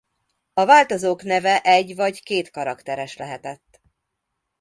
A változók neve egy vagy két karakteres lehetett.